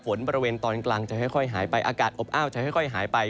บริเวณตอนกลางจะค่อยหายไปอากาศอบอ้าวจะค่อยหายไป